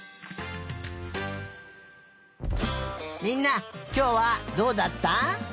みんなきょうはどうだった？